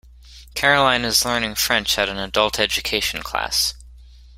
Caroline is learning French at an adult education class